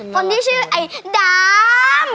คนที่ชื่อไอ้ดาม